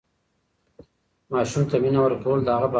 ماشوم ته مینه ورکول د هغه باور زیاتوي.